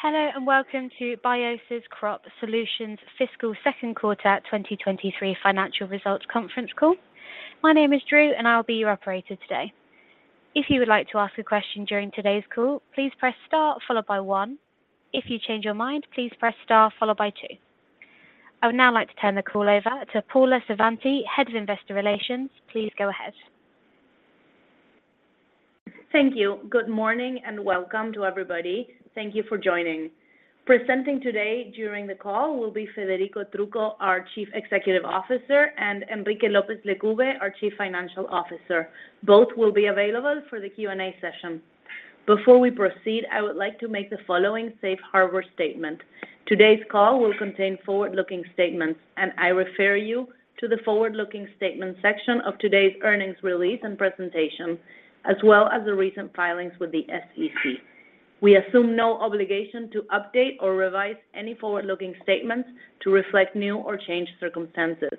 Hello, welcome to Bioceres Crop Solutions fiscal second quarter 2023 financial results conference call. My name is Drew, I'll be your operator today. If you would like to ask a question during today's call, please press star followed by one. If you change your mind, please press star followed by two. I would now like to turn the call over to Paula Savanti, Head of Investor Relations. Please go ahead. Thank you. Good morning and welcome to everybody. Thank you for joining. Presenting today during the call will be Federico Trucco, our Chief Executive Officer, and Enrique Lopez Lecube, our Chief Financial Officer. Both will be available for the Q&A session. Before we proceed, I would like to make the following safe harbor statement. Today's call will contain forward-looking statements, and I refer you to the forward-looking statement section of today's earnings release and presentation, as well as the recent filings with the SEC. We assume no obligation to update or revise any forward-looking statements to reflect new or changed circumstances.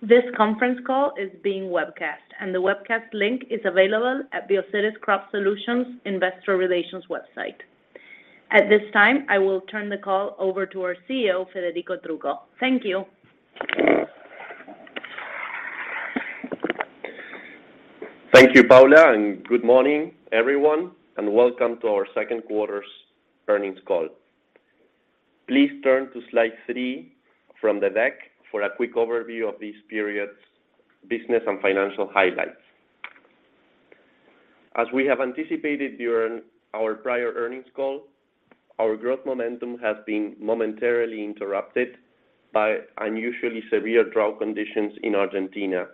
This conference call is being webcast, and the webcast link is available at Bioceres Crop Solutions' investor relations website. At this time, I will turn the call over to our CEO, Federico Trucco. Thank you. Thank you, Paula. Good morning, everyone, and welcome to our second quarter earnings call. Please turn to slide three from the deck for a quick overview of this period business and financial highlights. As we have anticipated during our prior earnings call, our growth momentum has been momentarily interrupted by unusually severe drought conditions in Argentina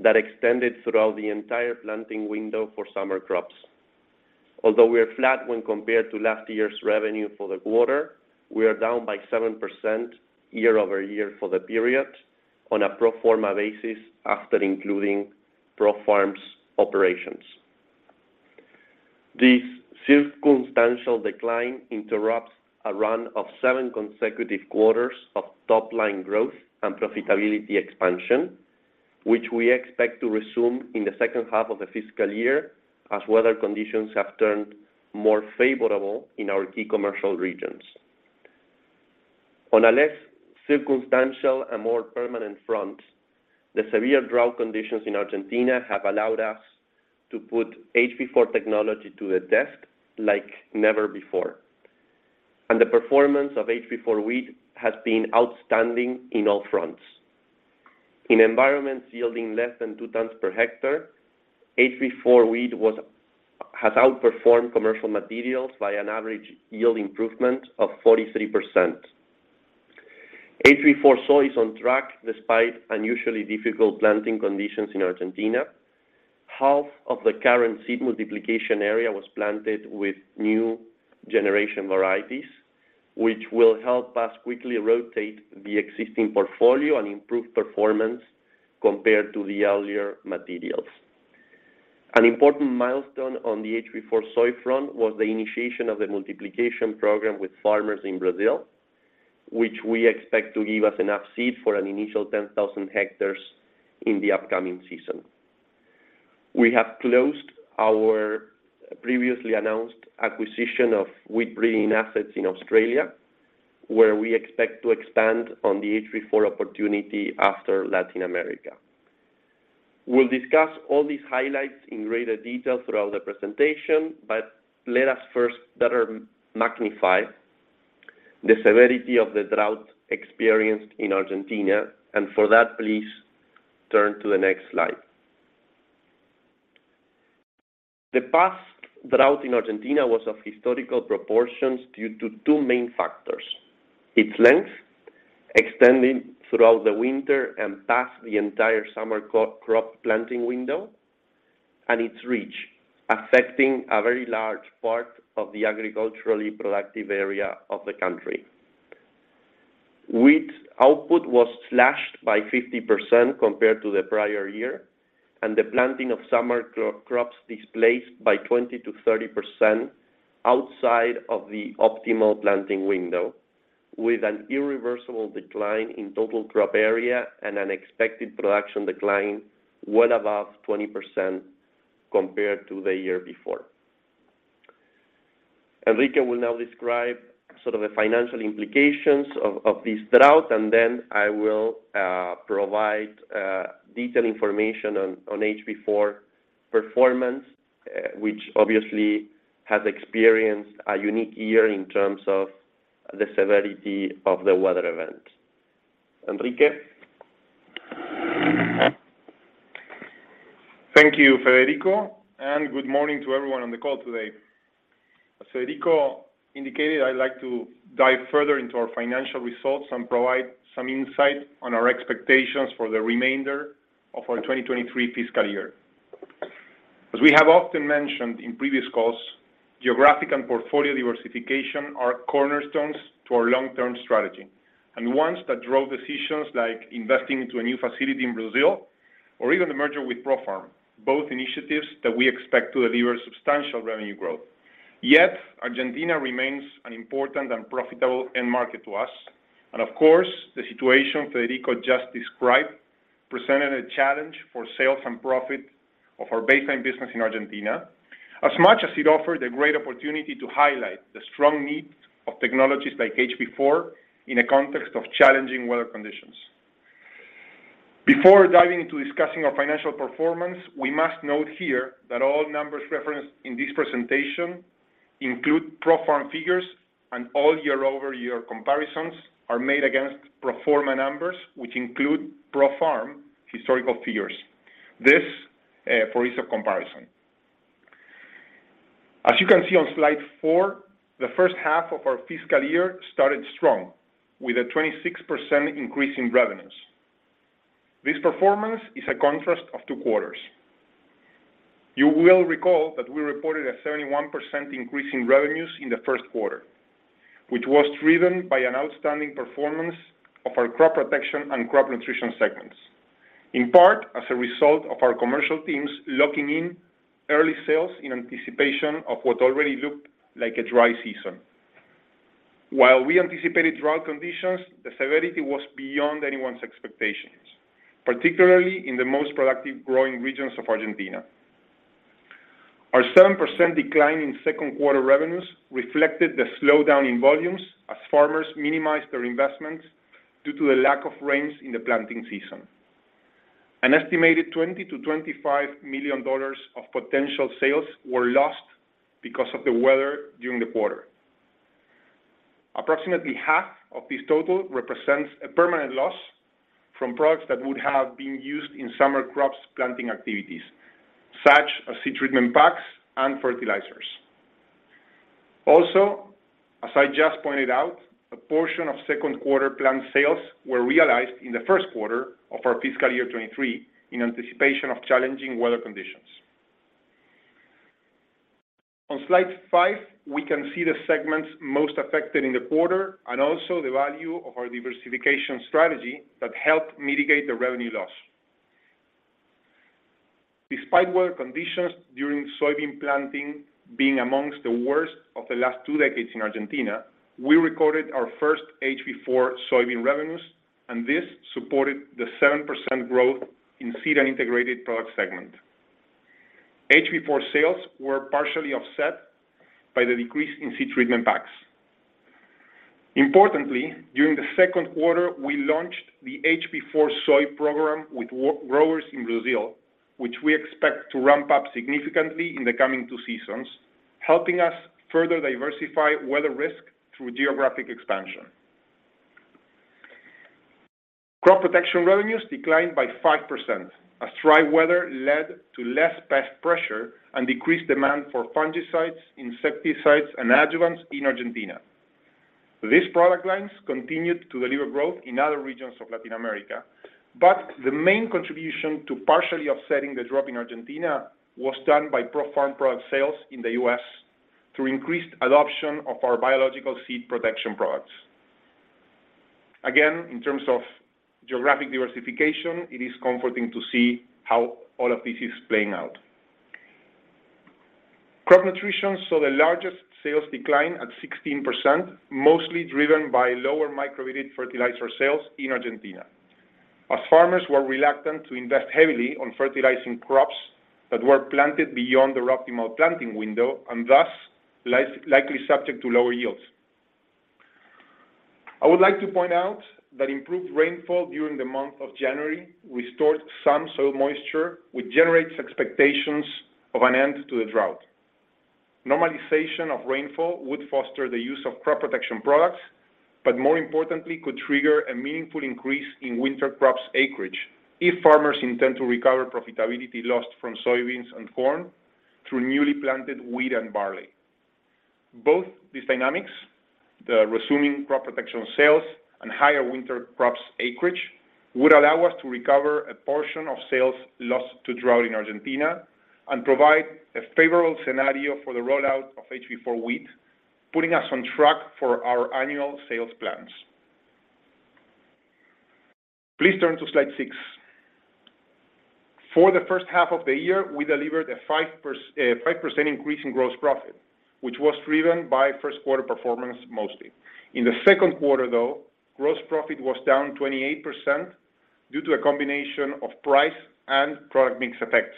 that extended throughout the entire planting window for summer crops. Although we are flat when compared to last year's revenue for the quarter, we are down by 7% year-over-year for the period on a pro forma basis after including ProFarm's operations. This circumstantial decline interrupts a run of seven consecutive quarters of top-line growth and profitability expansion, which we expect to resume in the second half of the fiscal year as weather conditions have turned more favorable in our key commercial regions. On a less circumstantial and more permanent front, the severe drought conditions in Argentina have allowed us to put HB4 technology to the test like never before. The performance of HB4 Wheat has been outstanding in all fronts. In environments yielding less than 2 tons per hectare, HB4 Wheat has outperformed commercial materials by an average yield improvement of 43%. HB4 Soy is on track despite unusually difficult planting conditions in Argentina. Half of the current seed multiplication area was planted with new generation varieties, which will help us quickly rotate the existing portfolio and improve performance compared to the earlier materials. An important milestone on the HB4 Soy front was the initiation of the multiplication program with farmers in Brazil, which we expect to give us enough seed for an initial 10,000 hectares in the upcoming season. We have closed our previously announced acquisition of wheat breeding assets in Australia, where we expect to expand on the HB4 opportunity after Latin America. We'll discuss all these highlights in greater detail throughout the presentation. Let us first better magnify the severity of the drought experienced in Argentina. For that, please turn to the next slide. The past drought in Argentina was of historical proportions due to two main factors: its length, extending throughout the winter and past the entire summer crop planting window, and its reach, affecting a very large part of the agriculturally productive area of the country. Wheat output was slashed by 50% compared to the prior year, the planting of summer crops displaced by 20%-30% outside of the optimal planting window, with an irreversible decline in total crop area and an expected production decline well above 20% compared to the year before. Enrique will now describe sort of the financial implications of this drought, then I will provide detailed information on HB4 performance, which obviously has experienced a unique year in terms of the severity of the weather event. Enrique? Thank you, Federico, and good morning to everyone on the call today. As Federico indicated, I'd like to dive further into our financial results and provide some insight on our expectations for the remainder of our 2023 fiscal year. As we have often mentioned in previous calls, geographic and portfolio diversification are cornerstones to our long-term strategy and ones that drove decisions like investing into a new facility in Brazil or even the merger with ProFarm, both initiatives that we expect to deliver substantial revenue growth. Yet, Argentina remains an important and profitable end market to us. Of course, the situation Federico just described, presented a challenge for sales and profit of our baseline business in Argentina, as much as it offered a great opportunity to highlight the strong need of technologies like HB4 in a context of challenging weather conditions. Before diving into discussing our financial performance, we must note here that all numbers referenced in this presentation include ProFarm figures, and all year-over-year comparisons are made against pro forma numbers, which include ProFarm historical figures. This for ease of comparison. As you can see on slide four, the first half of our fiscal year started strong, with a 26% increase in revenues. This performance is a contrast of two quarters. You will recall that we reported a 31% increase in revenues in the first quarter, which was driven by an outstanding performance of our Crop Protection and Crop Nutrition segments. In part, as a result of our commercial teams locking in early sales in anticipation of what already looked like a dry season. While we anticipated drought conditions, the severity was beyond anyone's expectations, particularly in the most productive growing regions of Argentina. Our 7% decline in second quarter revenues reflected the slowdown in volumes as farmers minimized their investments due to the lack of rains in the planting season. An estimated $20 million-$25 million of potential sales were lost because of the weather during the quarter. Approximately half of this total represents a permanent loss from products that would have been used in summer crops planting activities, such as seed treatment packs and fertilizers. As I just pointed out, a portion of second quarter plant sales were realized in the first quarter of our fiscal year 2023 in anticipation of challenging weather conditions. On slide five, we can see the segments most affected in the quarter and also the value of our diversification strategy that helped mitigate the revenue loss. Despite weather conditions during soybean planting being amongst the worst of the last two decades in Argentina, we recorded our first HB4 soybean revenues, and this supported the 7% growth in Seed and Integrated Products segment. HB4 sales were partially offset by the decrease in seed treatment packs. Importantly, during the second quarter, we launched the HB4 Soy program with growers in Brazil, which we expect to ramp up significantly in the coming two seasons, helping us further diversify weather risk through geographic expansion. Crop Protection revenues declined by 5% as dry weather led to less pest pressure and decreased demand for fungicides, insecticides, and adjuvants in Argentina. These product lines continued to deliver growth in other regions of Latin America, but the main contribution to partially offsetting the drop in Argentina was done by ProFarm product sales in the U.S. through increased adoption of our biological seed protection products. Again, in terms of geographic diversification, it is comforting to see how all of this is playing out. Crop Nutrition saw the largest sales decline at 16%, mostly driven by lower micro-irrigated fertilizer sales in Argentina, as farmers were reluctant to invest heavily on fertilizing crops that were planted beyond their optimal planting window and thus likely subject to lower yields. I would like to point out that improved rainfall during the month of January restored some soil moisture, which generates expectations of an end to the drought. Normalization of rainfall would foster the use of Crop Protection products, but more importantly, could trigger a meaningful increase in winter crops acreage if farmers intend to recover profitability lost from soybeans and corn through newly planted wheat and barley. Both these dynamics, the resuming Crop Protection sales and higher winter crops acreage, would allow us to recover a portion of sales lost to drought in Argentina and provide a favorable scenario for the rollout of HB4 Wheat, putting us on track for our annual sales plans. Please turn to slide six. For the first half of the year, we delivered a 5% increase in gross profit, which was driven by first quarter performance mostly. In the second quarter, though, gross profit was down 28% due to a combination of price and product mix effects.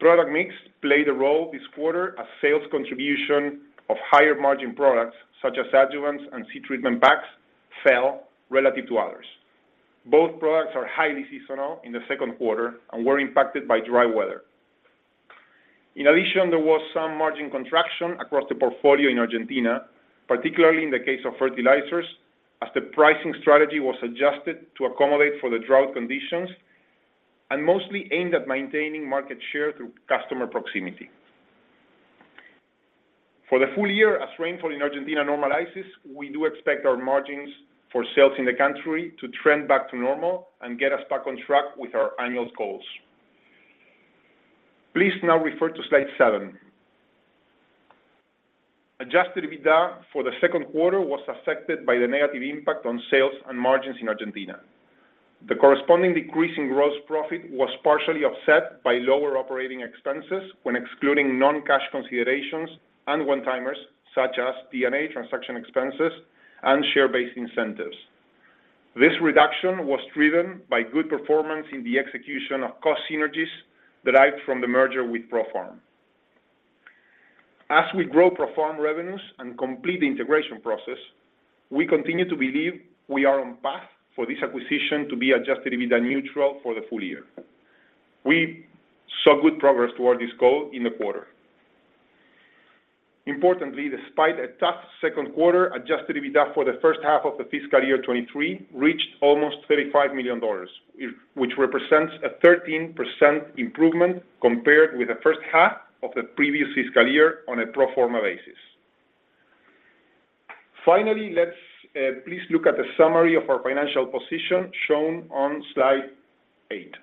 Product mix played a role this quarter as sales contribution of higher margin products, such as adjuvants and seed treatment packs, fell relative to others. Both products are highly seasonal in the second quarter and were impacted by dry weather. In addition, there was some margin contraction across the portfolio in Argentina, particularly in the case of fertilizers, as the pricing strategy was adjusted to accommodate for the drought conditions and mostly aimed at maintaining market share through customer proximity. For the full year, as rainfall in Argentina normalizes, we do expect our margins for sales in the country to trend back to normal and get us back on track with our annual goals. Please now refer to slide seven. Adjusted EBITDA for the second quarter was affected by the negative impact on sales and margins in Argentina. The corresponding decrease in gross profit was partially offset by lower operating expenses when excluding non-cash considerations and one-timers such as MBI transaction expenses. Share-based incentives. This reduction was driven by good performance in the execution of cost synergies derived from the merger with ProFarm. As we grow ProFarm revenues and complete the integration process, we continue to believe we are on path for this acquisition to be Adjusted EBITDA neutral for the full year. We saw good progress toward this goal in the quarter. Importantly, despite a tough second quarter, Adjusted EBITDA for the first half of the fiscal year 23 reached almost $35 million, which represents a 13% improvement compared with the first half of the previous fiscal year on a pro forma basis. Finally, let's please look at the summary of our financial position shown on slide eight.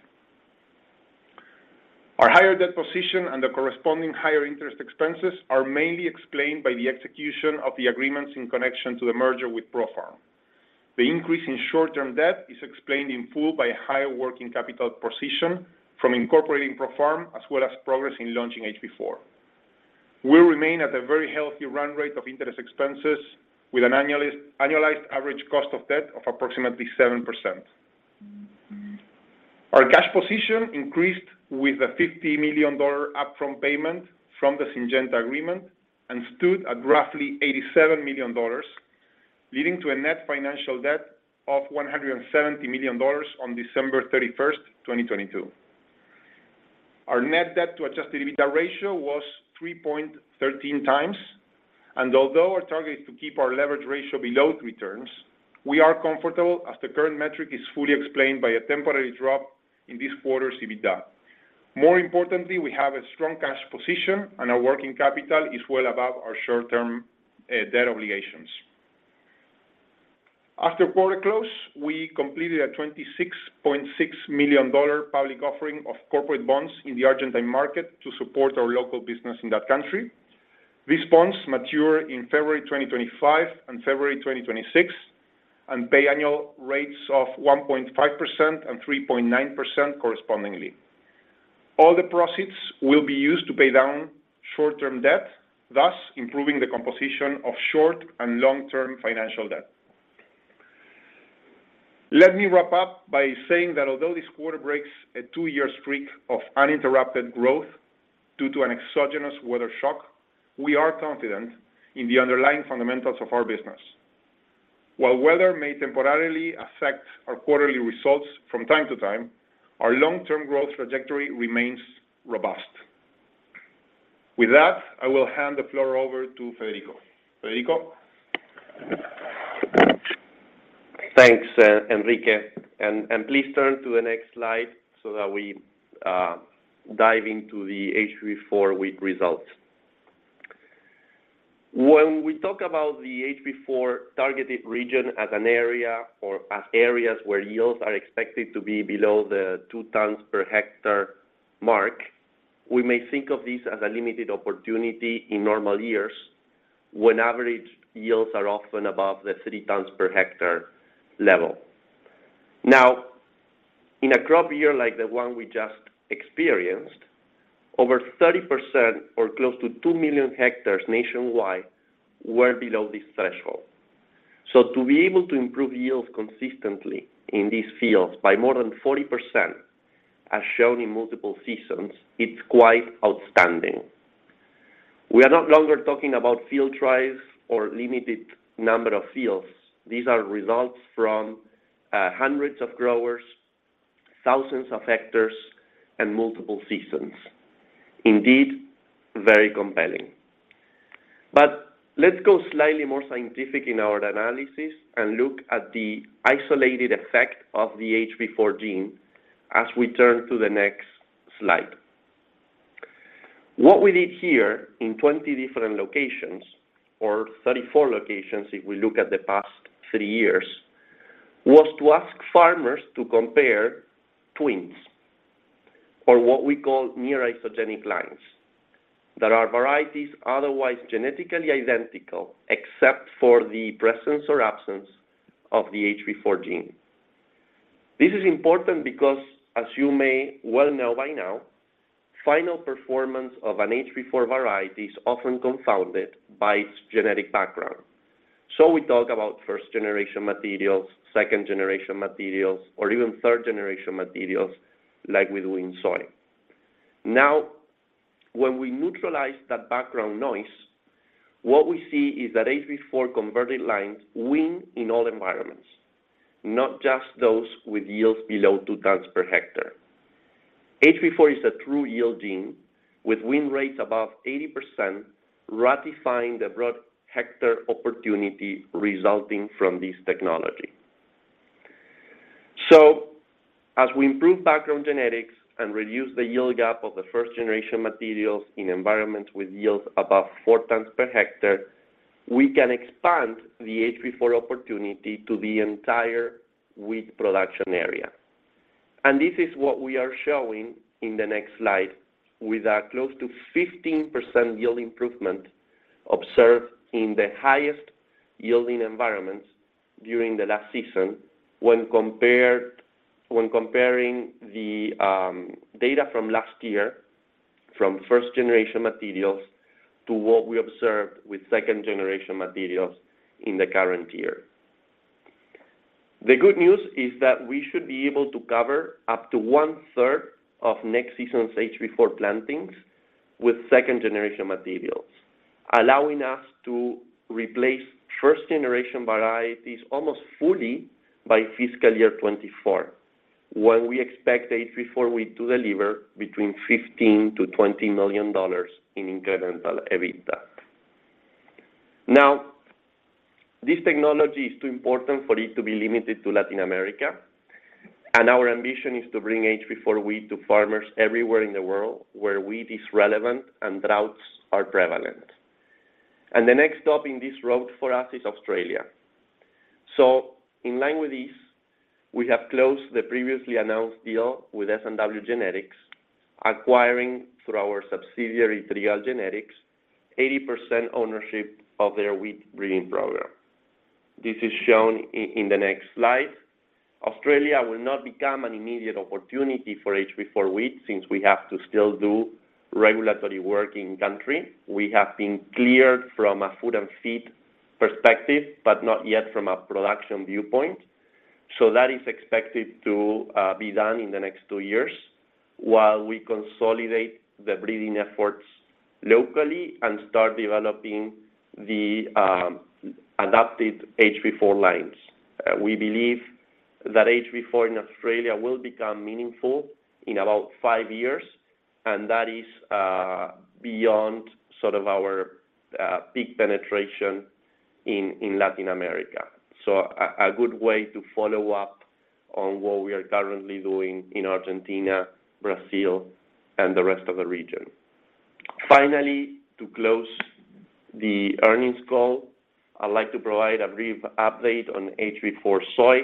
Our higher debt position and the corresponding higher interest expenses are mainly explained by the execution of the agreements in connection to the merger with ProFarm. The increase in short-term debt is explained in full by higher working capital position from incorporating ProFarm, as well as progress in launching HB4. We remain at a very healthy run rate of interest expenses with an annualized average cost of debt of approximately 7%. Our cash position increased with a $50 million upfront payment from the Syngenta agreement and stood at roughly $87 million, leading to a net financial debt of $170 million on December 31st, 2022. Our net debt to Adjusted EBITDA ratio was 3.13x. Although our target is to keep our leverage ratio below three turns, we are comfortable as the current metric is fully explained by a temporary drop in this quarter's EBITDA. More importantly, we have a strong cash position. Our working capital is well above our short-term debt obligations. After quarter close, we completed a $26.6 million public offering of corporate bonds in the Argentine market to support our local business in that country. These bonds mature in February 2025 and February 2026 and pay annual rates of 1.5% and 3.9% correspondingly. All the proceeds will be used to pay down short-term debt, thus improving the composition of short and long-term financial debt. Let me wrap up by saying that although this quarter breaks a two-year streak of uninterrupted growth due to an exogenous weather shock, we are confident in the underlying fundamentals of our business. While weather may temporarily affect our quarterly results from time to time, our long-term growth trajectory remains robust. With that, I will hand the floor over to Federico. Federico? Thanks, Enrique, and please turn to the next slide so that we dive into the HB4 Wheat results. When we talk about the HB4 targeted region as an area or as areas where yields are expected to be below the 2 tons per hectare mark, we may think of this as a limited opportunity in normal years when average yields are often above the 3 tons per hectare level. In a crop year like the one we just experienced, over 30% or close to 2 million hectares nationwide were below this threshold. To be able to improve yields consistently in these fields by more than 40%, as shown in multiple seasons, it's quite outstanding. We are no longer talking about field trials or limited number of fields. These are results from hundreds of growers, thousands of hectares, and multiple seasons. Indeed, very compelling. Let's go slightly more scientific in our analysis and look at the isolated effect of the HB4 gene as we turn to the next slide. What we did here in 20 different locations, or 34 locations if we look at the past three years, was to ask farmers to compare twins or what we call near isogenic lines that are varieties otherwise genetically identical except for the presence or absence of the HB4 gene. This is important because, as you may well know by now, final performance of an HB4 variety is often confounded by its genetic background. We talk about first-generation materials, second-generation materials, or even third-generation materials, like we do in soy. When we neutralize that background noise, what we see is that HB4 converted lines win in all environments, not just those with yields below two tons per hectare. HB4 is a true yield gene with win rates above 80%, ratifying the broad hectare opportunity resulting from this technology. As we improve background genetics and reduce the yield gap of the first-generation materials in environments with yields above 4 tons per hectare, we can expand the HB4 opportunity to the entire wheat production area. This is what we are showing in the next slide with a close to 15% yield improvement observed in the highest yielding environments during the last season when comparing the data from last year from first-generation materials to what we observed with second-generation materials in the current year. The good news is that we should be able to cover up to one-third of next season's HB4 plantings with second-generation materials, allowing us to replace first-generation varieties almost fully by fiscal year 2024, when we expect HB4 Wheat to deliver between $15 million to $20 million in incremental EBITDA. Now, this technology is too important for it to be limited to Latin America. Our ambition is to bring HB4 Wheat to farmers everywhere in the world where wheat is relevant and droughts are prevalent. The next stop in this route for us is Australia. In line with this, we have closed the previously announced deal with S&W Seed Company, acquiring through our subsidiary, Trigall Genetics, 80% ownership of their wheat breeding program. This is shown in the next slide. Australia will not become an immediate opportunity for HB4 Wheat since we have to still do regulatory work in country. We have been cleared from a food and feed perspective, but not yet from a production viewpoint. That is expected to be done in the next two years while we consolidate the breeding efforts locally and start developing the adapted HB4 lines. We believe that HB4 in Australia will become meaningful in about five years, and that is beyond sort of our peak penetration in Latin America. A good way to follow up on what we are currently doing in Argentina, Brazil, and the rest of the region. Finally, to close the earnings call, I'd like to provide a brief update on HB4 Soy.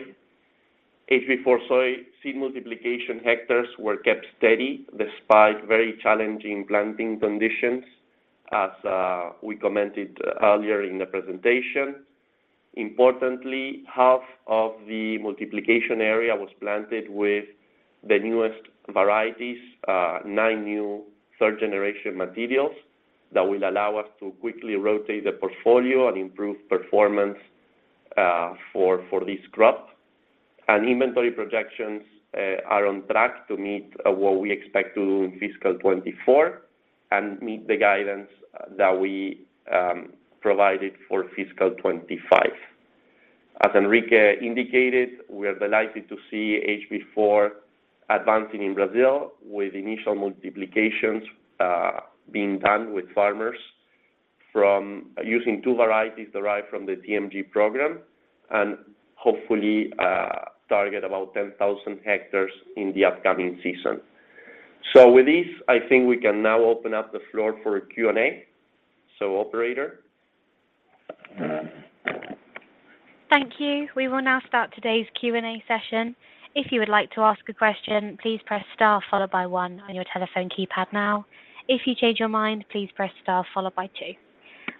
HB4 Soy seed multiplication hectares were kept steady despite very challenging planting conditions as we commented earlier in the presentation. Importantly, half of the multiplication area was planted with the newest varieties, nine new third-generation materials that will allow us to quickly rotate the portfolio and improve performance for this crop. Inventory projections are on track to meet what we expect to do in fiscal 2024 and meet the guidance that we provided for fiscal 2025. As Enrique indicated, we are delighted to see HB4 advancing in Brazil with initial multiplications being done with farmers from using two varieties derived from the DMG program and hopefully target about 10,000 hectares in the upcoming season. With this, I think we can now open up the floor for Q&A. Operator. Thank you. We will now start today's Q&A session. If you would like to ask a question, please press star followed by one on your telephone keypad now. If you change your mind, please press star followed by two.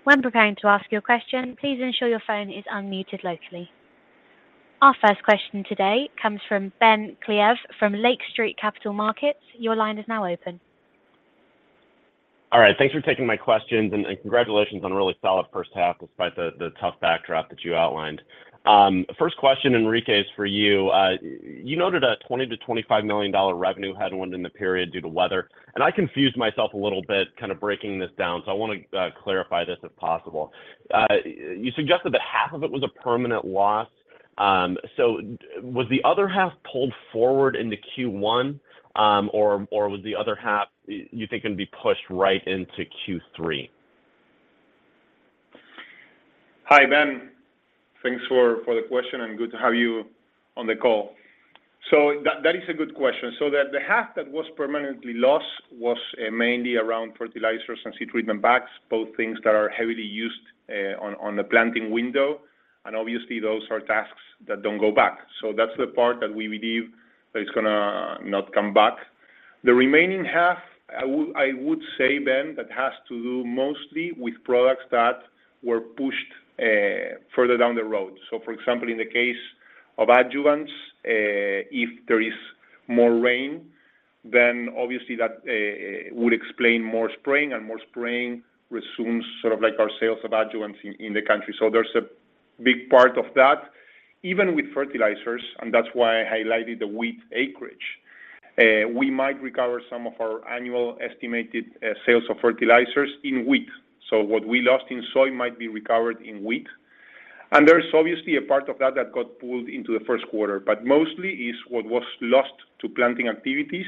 When preparing to ask your question, please ensure your phone is unmuted locally. Our first question today comes from Ben Klieve from Lake Street Capital Markets. Your line is now open. All right. Thanks for taking my questions and congratulations on a really solid first half despite the tough backdrop that you outlined. First question, Enrique, is for you. You noted a $20 million-$25 million revenue headwind in the period due to weather, and I confused myself a little bit kind of breaking this down, so I wanna clarify this if possible. You suggested that half of it was a permanent loss. Was the other half pulled forward into Q1, or was the other half you think gonna be pushed right into Q3? Hi, Ben. Thanks for the question and good to have you on the call. That is a good question. The half that was permanently lost was mainly around fertilizers and seed treatment packs, both things that are heavily used on the planting window. Obviously those are tasks that don't go back. That's the part that we believe that is gonna not come back. The remaining half, I would say, Ben, that has to do mostly with products that were pushed further down the road. For example, in the case of adjuvants, if there is more rain, then obviously that would explain more spraying, and more spraying resumes sort of like our sales of adjuvants in the country. There's a big part of that. Even with fertilizers, that's why I highlighted the wheat acreage, we might recover some of our annual estimated sales of fertilizers in wheat. What we lost in soy might be recovered in wheat. There's obviously a part of that that got pulled into the first quarter. Mostly is what was lost to planting activities,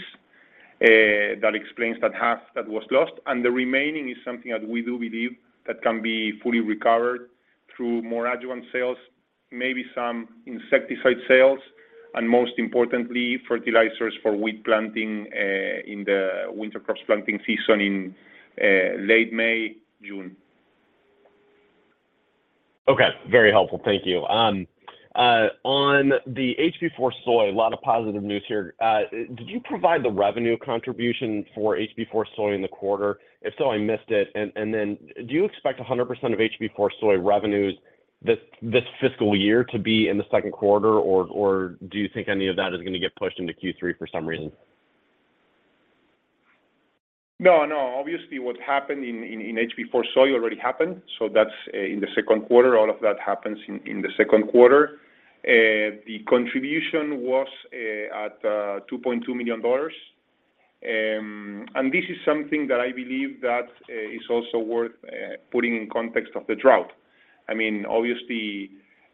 that explains that half that was lost. The remaining is something that we do believe that can be fully recovered through more adjuvant sales, maybe some insecticide sales, and most importantly, fertilizers for wheat planting, in the winter crops planting season in late May, June. Okay. Very helpful. Thank you. On the HB4 Soy, a lot of positive news here. Did you provide the revenue contribution for HB4 Soy in the quarter? If so, I missed it. Then do you expect 100% of HB4 Soy revenues this fiscal year to be in the second quarter, or do you think any of that is gonna get pushed into Q3 for some reason? No, no. Obviously, what happened in HB4 Soy already happened. That's in the second quarter. All of that happens in the second quarter. The contribution was at $2.2 million. This is something that I believe that is also worth putting in context of the drought. I mean, obviously,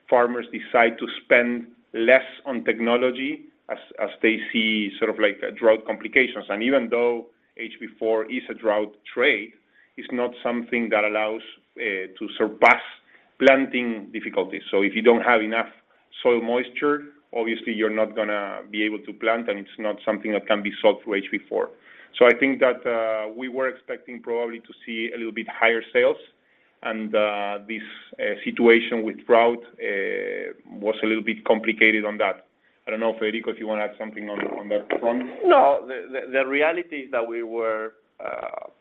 farmers decide to spend less on technology as they see sort of like drought complications. Even though HB4 is a drought trait, it's not something that allows to surpass planting difficulties. If you don't have enough soil moisture, obviously you're not gonna be able to plant, and it's not something that can be solved through HB4. I think that we were expecting probably to see a little bit higher sales and this situation with drought was a little bit complicated on that. I don't know if Federico, if you wanna add something on that front. No. The reality is that we were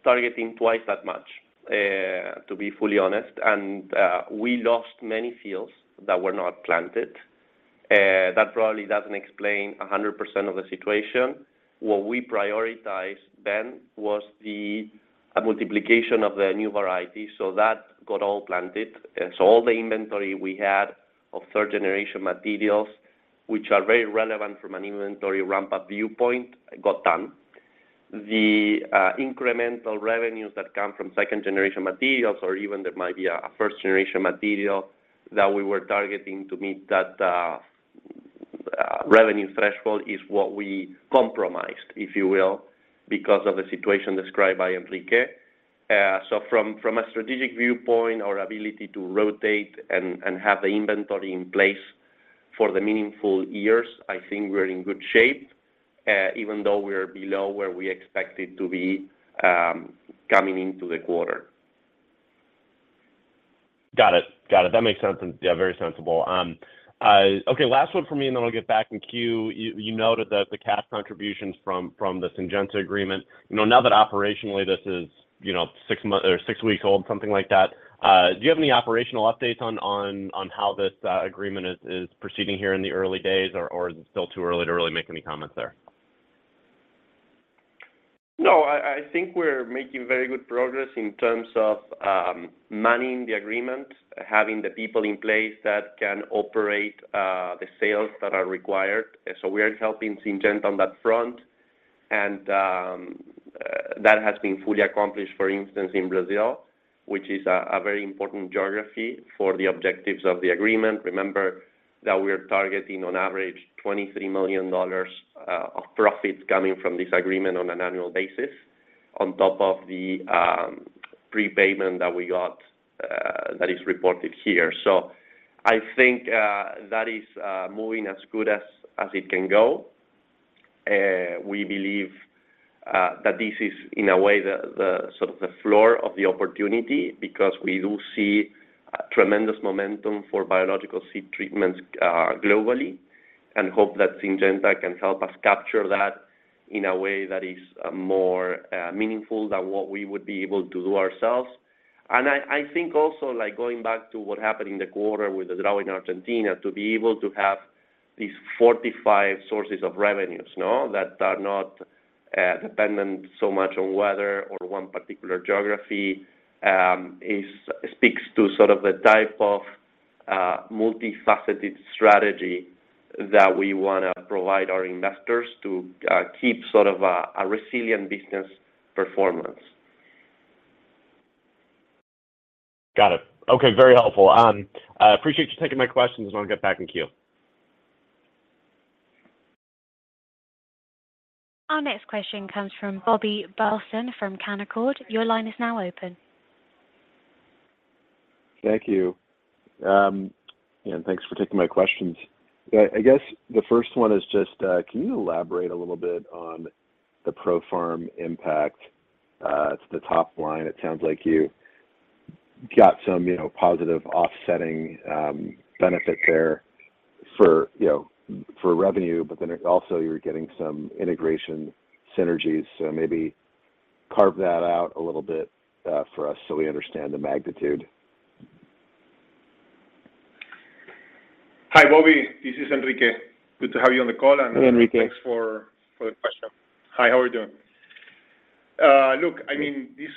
targeting twice that much to be fully honest. We lost many fields that were not planted. That probably doesn't explain 100% of the situation. What we prioritized then was the multiplication of the new variety, so that got all planted. All the inventory we had of third generation materials, which are very relevant from an inventory ramp-up viewpoint, got done. The incremental revenues that come from second generation materials, or even there might be a first generation material that we were targeting to meet that revenue threshold is what we compromised, if you will, because of the situation described by Enrique. From, from a strategic viewpoint, our ability to rotate and have the inventory in place for the meaningful years, I think we're in good shape, even though we're below where we expected to be, coming into the quarter. Got it. That makes sense and, yeah, very sensible. Okay, last one from me, and then I'll get back in queue. You noted that the cash contributions from the Syngenta agreement. You know, now that operationally this is, you know, six month or six weeks old, something like that, do you have any operational updates on how this agreement is proceeding here in the early days, or is it still too early to really make any comments there? No, I think we're making very good progress in terms of manning the agreement, having the people in place that can operate the sales that are required. We are helping Syngenta on that front. That has been fully accomplished, for instance, in Brazil, which is a very important geography for the objectives of the agreement. Remember that we're targeting on average $23 million of profits coming from this agreement on an annual basis on top of the prepayment that we got that is reported here. I think that is moving as good as it can go. We believe that this is in a way the, sort of the floor of the opportunity because we do see tremendous momentum for biological seed treatments globally, and hope that Syngenta can help us capture that in a way that is more meaningful than what we would be able to do ourselves. I think also, like, going back to what happened in the quarter with the drought in Argentina, to be able to have these 45 sources of revenues, no? That are not dependent so much on weather or one particular geography, is speaks to sort of the type of multifaceted strategy that we wanna provide our investors to keep sort of a resilient business performance. Got it. Okay. Very helpful. I appreciate you taking my questions. I wanna get back in queue. Our next question comes from Bobby Burleson from Canaccord. Your line is now open. Thank you. Thanks for taking my questions. Yeah, I guess the first one is just, can you elaborate a little bit on the ProFarm impact? It's the top line. It sounds like you got some, you know, positive offsetting benefit there for, you know, for revenue, but then also you're getting some integration synergies. Maybe carve that out a little bit for us so we understand the magnitude. Hi, Bobby. This is Enrique. Good to have you on the call. Hi, Enrique. thanks for the question. Hi, how are you doing? Look, I mean, this,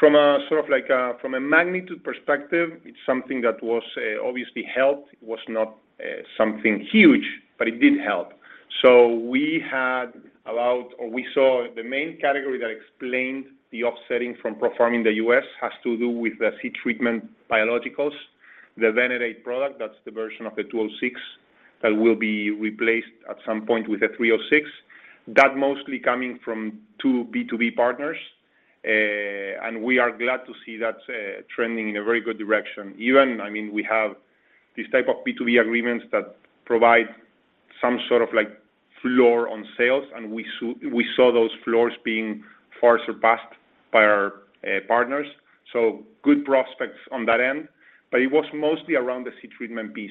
from a sort of like, from a magnitude perspective, it's something that was obviously helped. It was not something huge, but it did help. We had allowed or we saw the main category that explained the offsetting from ProFarm in the U.S. has to do with the seed treatment biologicals. The Venerate product, that's the version of the 206 that will be replaced at some point with a 306. That mostly coming from two B2B partners, and we are glad to see that trending in a very good direction. Even, I mean, we have this type of B2B agreements that provide some sort of like floor on sales, and we saw those floors being far surpassed by our partners. Good prospects on that end. It was mostly around the seed treatment piece.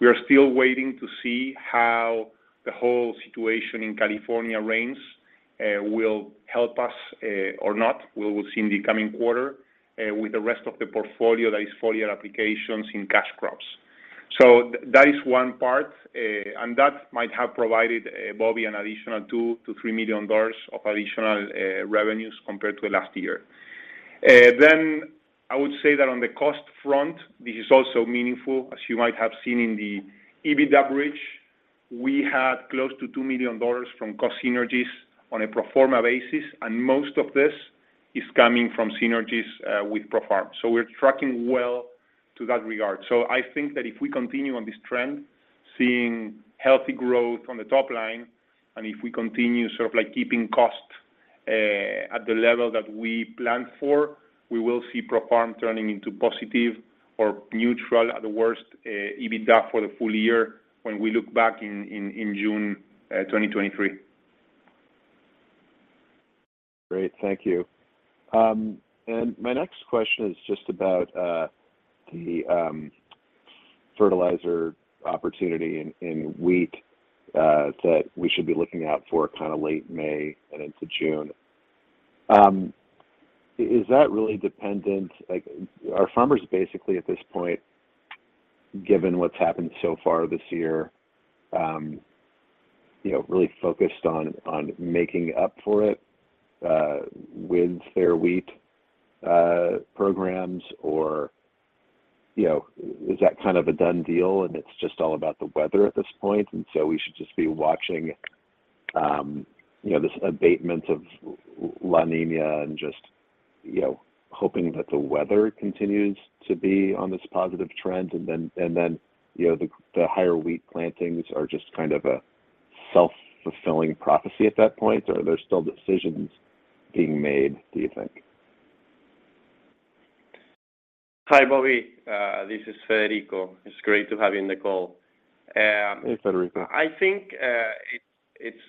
We are still waiting to see how the whole situation in California rains will help us or not. We will see in the coming quarter with the rest of the portfolio, that is foliar applications in cash crops. That is one part, and that might have provided Bobby an additional $2 million-$3 million of additional revenues compared to last year. I would say that on the cost front, this is also meaningful. As you might have seen in the EBITDA bridge, we had close to $2 million from cost synergies on a pro forma basis, and most of this is coming from synergies with ProFarm. We're tracking well to that regard. I think that if we continue on this trend, seeing healthy growth on the top line, and if we continue sort of like keeping costs at the level that we planned for, we will see ProFarm turning into positive or neutral at the worst EBITDA for the full year when we look back in June 2023. Great. Thank you. My next question is just about the fertilizer opportunity in wheat that we should be looking out for kind of late May and into June. Is that really dependent, like, are farmers basically at this point, given what's happened so far this year, you know, really focused on making up for it with their wheat programs or, you know, is that kind of a done deal and it's just all about the weather at this point? We should just be watching, you know, this abatement of La Niña and just, you know, hoping that the weather continues to be on this positive trend. You know, the higher wheat plantings are just kind of a self-fulfilling prophecy at that point, or are there still decisions being made, do you think? Hi, Bobby. This is Federico. It's great to have you in the call. Hey, Federico. I think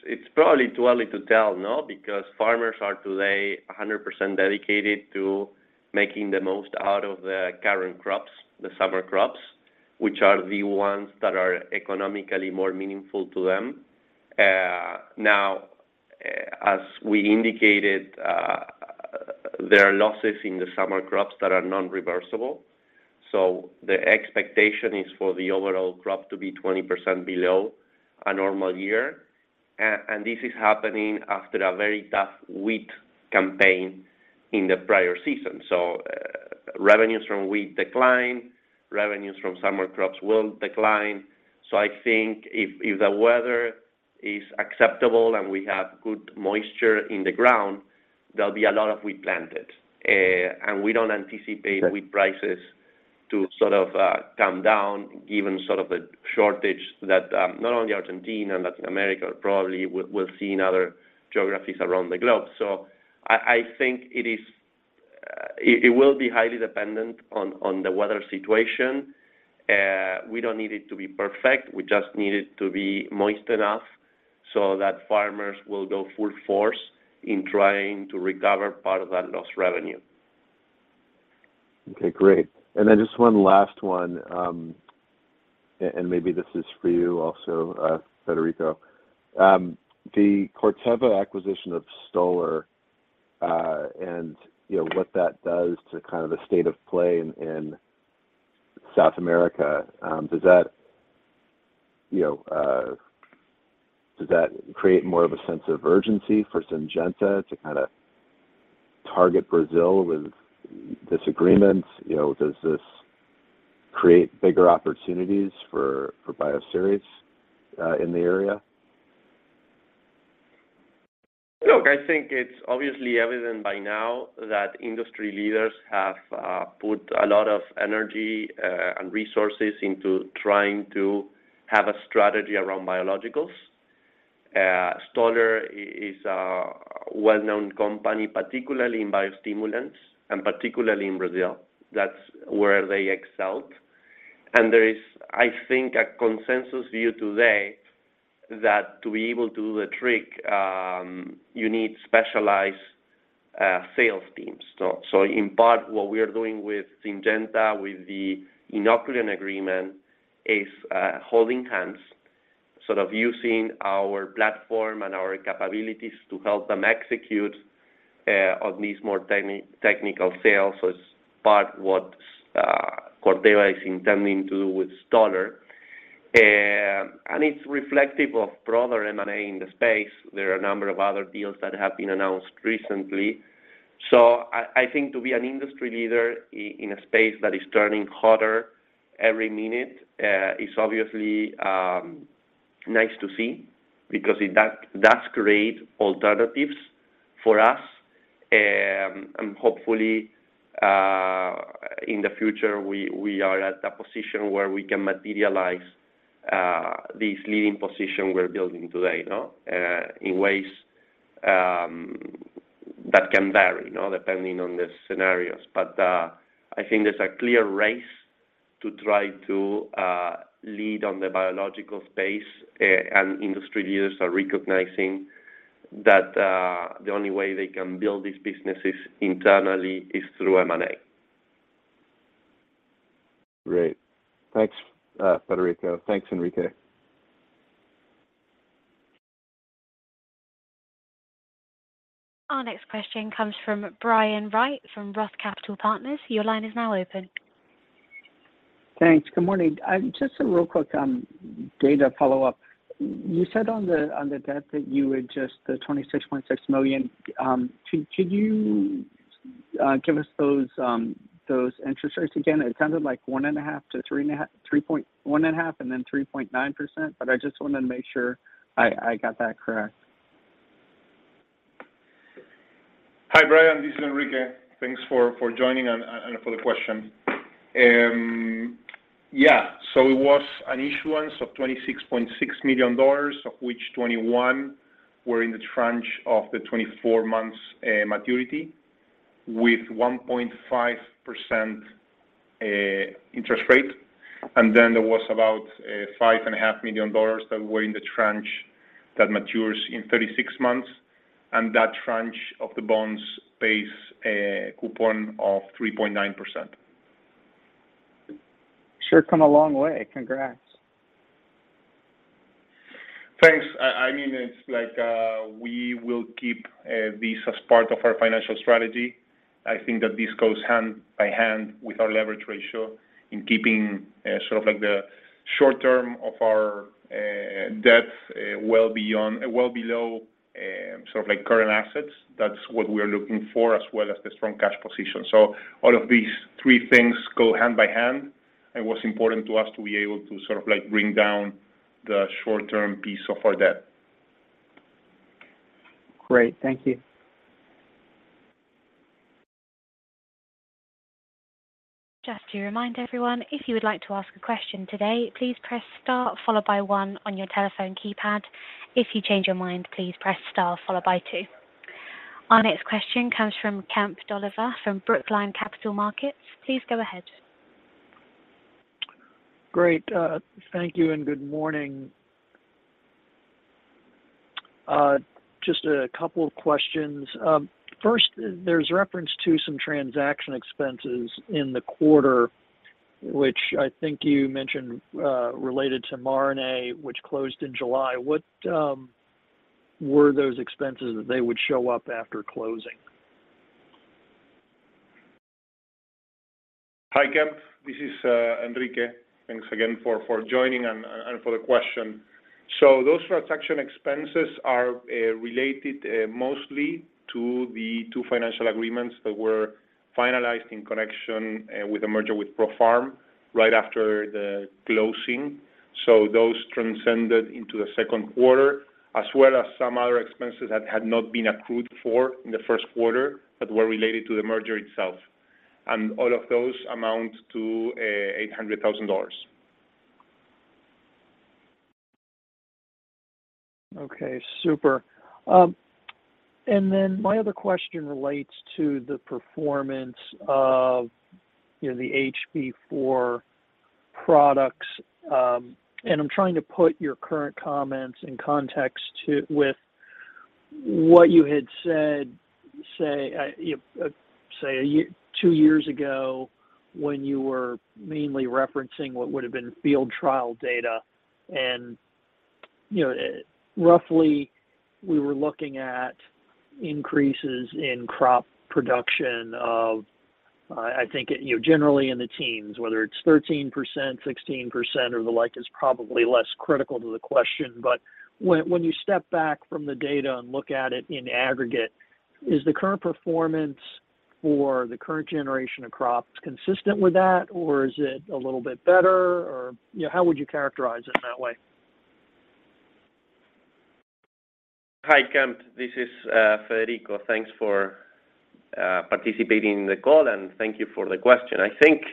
it's probably too early to tell, no? Because farmers are today 100% dedicated to making the most out of the current crops, the summer crops, which are the ones that are economically more meaningful to them. Now, as we indicated, there are losses in the summer crops that are non-reversible. The expectation is for the overall crop to be 20% below a normal year. This is happening after a very tough wheat campaign in the prior season. Revenues from wheat decline, revenues from summer crops will decline. I think if the weather is acceptable and we have good moisture in the ground, there'll be a lot of wheat planted. We don't anticipate wheat prices to sort of come down given sort of the shortage that not only Argentina and Latin America, probably we'll see in other geographies around the globe. I think it is. It will be highly dependent on the weather situation. We don't need it to be perfect. We just need it to be moist enough so that farmers will go full force in trying to recover part of that lost revenue. Okay. Great. Just one last one, and maybe this is for you also, Federico. The Corteva acquisition of Stoller, and you know, what that does to kind of the state of play in South America, does that create more of a sense of urgency for Syngenta to kind of target Brazil with this agreement? You know, does this create bigger opportunities for Bioceres, in the area? Look, I think it's obviously evident by now that industry leaders have put a lot of energy and resources into trying to have a strategy around biologicals. Stoller is a well-known company, particularly in biostimulants, and particularly in Brazil. That's where they excelled. There is, I think, a consensus view today that to be able to do the trick, you need specialized sales teams. In part, what we are doing with Syngenta, with the inoculant agreement is holding hands, sort of using our platform and our capabilities to help them execute on these more technical sales. It's part what Corteva is intending to do with Stoller. It's reflective of broader M&A in the space. There are a number of other deals that have been announced recently. I think to be an industry leader in a space that is turning hotter every minute, is obviously nice to see because it that's great alternatives for us. Hopefully, in the future, we are at a position where we can materialize this leading position we're building today, no? In ways that can vary, you know, depending on the scenarios. I think there's a clear race to try to lead on the biological space. Industry leaders are recognizing that the only way they can build these businesses internally is through M&A. Great. Thanks, Federico. Thanks, Enrique. Our next question comes from Brian Wright from Roth Capital Partners. Your line is now open. Thanks. Good morning. Just a real quick data follow-up. You said on the debt that you were just the $26.6 million. Could you give us those interest rates again? It sounded like 1.5%, and then 3.9%, but I just wanted to make sure I got that correct. Hi, Brian, this is Enrique. Thanks for joining and for the question. Yeah. It was an issuance of $26.6 million, of which 21 were in the tranche of the 24 months maturity with 1.5% interest rate. Then there was about $5.5 million that were in the tranche that matures in 36 months. That tranche of the bonds pays a coupon of 3.9%. Sure come a long way. Congrats. Thanks. I mean, it's like, we will keep this as part of our financial strategy. I think that this goes hand by hand with our leverage ratio in keeping, sort of like the short term of our debts, well below, sort of like current assets. That's what we're looking for, as well as the strong cash position. All of these three things go hand by hand, and what's important to us to be able to sort of like bring down the short-term piece of our debt. Great. Thank you. Just to remind everyone, if you would like to ask a question today, please press Star followed by one on your telephone keypad. If you change your mind, please press Star followed by two. Our next question comes from Kemp Dolliver from Brookline Capital Markets. Please go ahead. Great. Thank you and good morning. Just a couple of questions. First, there's reference to some transaction expenses in the quarter, which I think you mentioned, related to Marrone, which closed in July. What were those expenses that they would show up after closing? Hi, Kemp. This is Enrique. Thanks again for joining and for the question. Those transaction expenses are related mostly to the two financial agreements that were finalized in connection with the merger with ProFarm right after the closing. Those transcended into the second quarter, as well as some other expenses that had not been accrued for in the first quarter, but were related to the merger itself. All of those amount to $800,000. Okay, super. My other question relates to the performance of, you know, the HB4 products. I'm trying to put your current comments in context with what you had said, say, you know, say two years ago, when you were mainly referencing what would have been field trial data. You know, roughly, we were looking at increases in crop production of, I think, you know, generally in the teens, whether it's 13%, 16%, or the like, is probably less critical to the question. When you step back from the data and look at it in aggregate, is the current performance for the current generation of crops consistent with that, or is it a little bit better? You know, how would you characterize it in that way? Hi, Kemp. This is Federico. Thanks for participating in the call. Thank you for the question. I think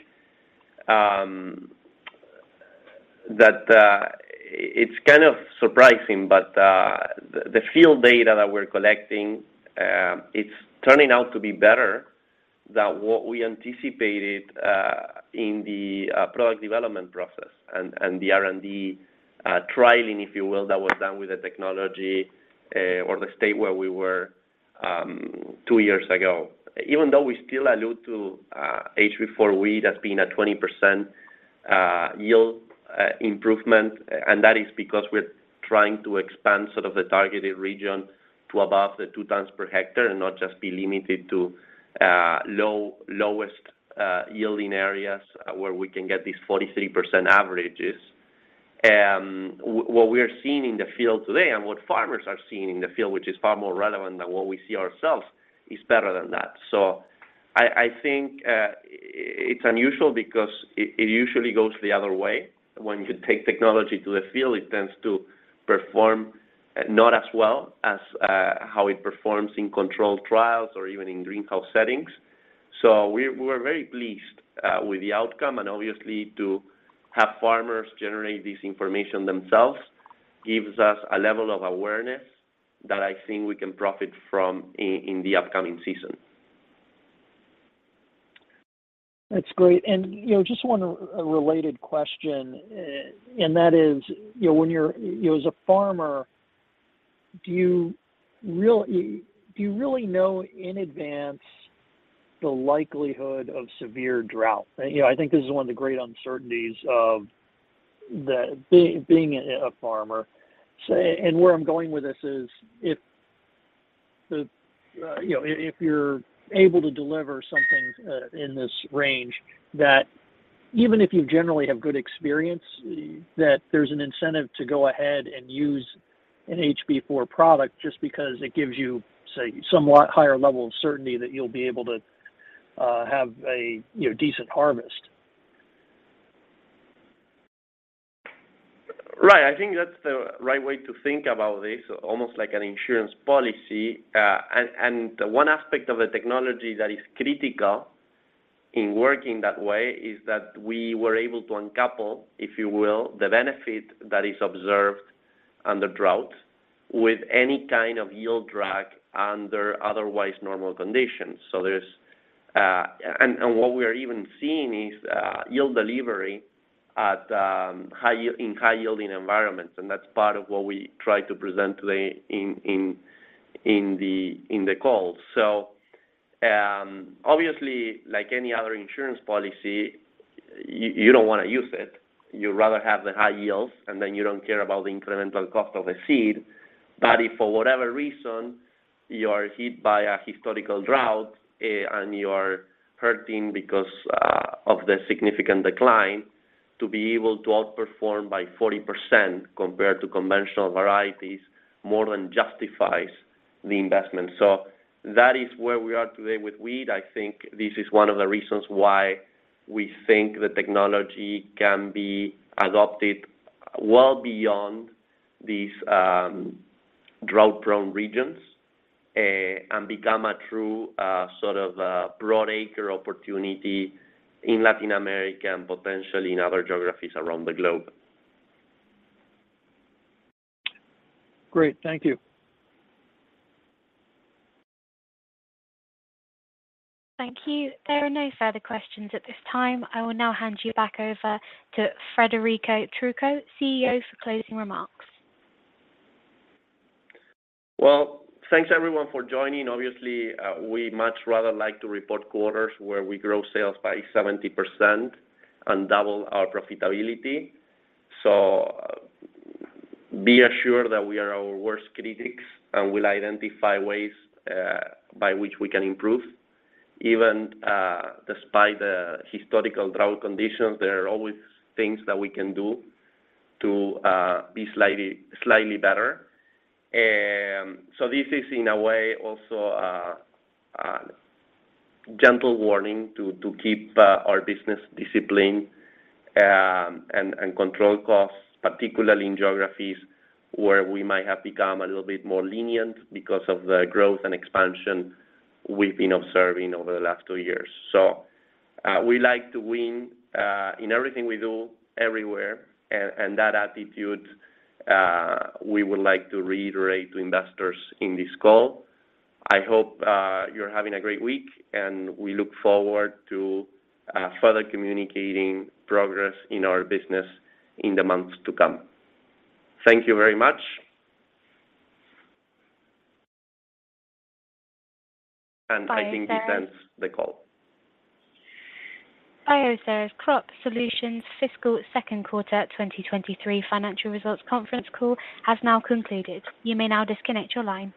that it's kind of surprising, but the field data that we're collecting, it's turning out to be better than what we anticipated in the product development process and the R&D trialing, if you will, that was done with the technology or the state where we were two years ago. Even though we still allude to HB4 Wheat as being a 20% yield improvement, that is because we're trying to expand sort of the targeted region to above the 2x per hectare and not just be limited to lowest yielding areas where we can get these 43% averages. What we are seeing in the field today and what farmers are seeing in the field, which is far more relevant than what we see ourselves, is better than that. I think it's unusual because it usually goes the other way. When you take technology to the field, it tends to perform not as well as how it performs in controlled trials or even in greenhouse settings. We're very pleased with the outcome, and obviously to have farmers generate this information themselves gives us a level of awareness that I think we can profit from in the upcoming season. That's great. You know, just one related question, and that is, you know, when you're, you know, as a farmer, Do you really know in advance the likelihood of severe drought? You know, I think this is one of the great uncertainties of being a farmer. Where I'm going with this is if, you know, if you're able to deliver something in this range that even if you generally have good experience, that there's an incentive to go ahead and use an HB4 product just because it gives you, say, somewhat higher level of certainty that you'll be able to have a, you know, decent harvest. Right. I think that's the right way to think about this, almost like an insurance policy. One aspect of the technology that is critical in working that way is that we were able to uncouple, if you will, the benefit that is observed under drought with any kind of yield drag under otherwise normal conditions. There's... What we are even seeing is yield delivery at high-yielding environments, and that's part of what we try to present today in the call. Obviously, like any other insurance policy, you don't wanna use it. You'd rather have the high yields, and then you don't care about the incremental cost of a seed. If for whatever reason you are hit by a historical drought, and you are hurting because of the significant decline, to be able to outperform by 40% compared to conventional varieties more than justifies the investment. That is where we are today with wheat. I think this is one of the reasons why we think the technology can be adopted well beyond these drought-prone regions, and become a true sort of broad acre opportunity in Latin America and potentially in other geographies around the globe. Great. Thank you. Thank you. There are no further questions at this time. I will now hand you back over to Federico Trucco, CEO, for closing remarks. Thanks everyone for joining. Obviously, we much rather like to report quarters where we grow sales by 70% and double our profitability. Be assured that we are our worst critics, and we'll identify ways by which we can improve. Even despite the historical drought conditions, there are always things that we can do to be slightly better. This is in a way also a gentle warning to keep our business discipline and control costs, particularly in geographies where we might have become a little bit more lenient because of the growth and expansion we've been observing over the last two years. We like to win in everything we do everywhere. That attitude we would like to reiterate to investors in this call. I hope you're having a great week, and we look forward to further communicating progress in our business in the months to come. Thank you very much. I think this ends the call. Bioceres Crop Solutions fiscal second quarter 2023 financial results conference call has now concluded. You may now disconnect your line.